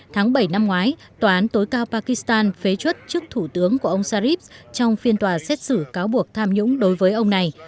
tháng bảy năm ngoái tòa án tối cao pakistan phế chất trước thủ tướng của ông sharif trong phiên tòa xét xử cáo buộc tham nhũng đối với ông này